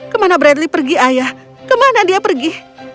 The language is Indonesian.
kemana bradley pergi ayah kemana dia pergi